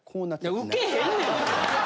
いやウケへんねん。